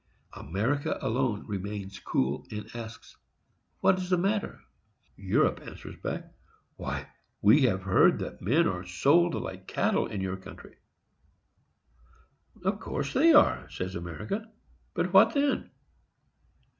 America alone remains cool, and asks, "What is the matter?" Europe answers back, "Why, we have heard that men are sold like cattle in your country." "Of course they are," says America; "but what then?"